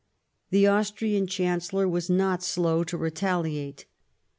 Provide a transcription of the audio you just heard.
The Austrian Chancellor was not slow to retaliate.